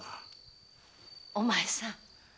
お前さん。